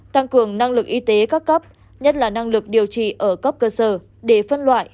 tăng cường năng lực y tế các cấp nhất là năng lực điều trị ở cấp cơ sở để phân loại